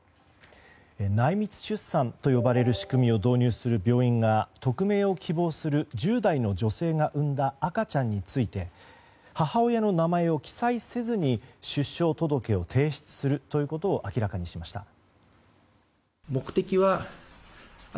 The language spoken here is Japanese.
内密出産と呼ばれる仕組みを導入する病院が匿名を希望する１０代の女性が産んだ赤ちゃんについて母親の名前を記載せずに出生届を提出することを明らかにしました。